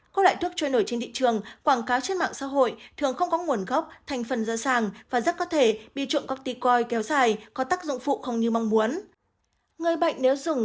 các loại thuốc trôi nổi trên thị trường quảng cáo trên mạng xã hội thường không có nguồn gốc thành phần dơ sàng và rất có thể bị trộm cắpticoid kéo dài có tác dụng phụ không như mong muốn